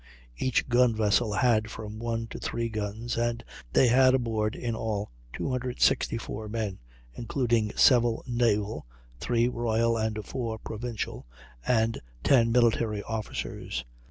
Each gun vessel had from one to three guns, and they had aboard in all 264 men, including seven naval (three royal and four provincial) and ten military officers.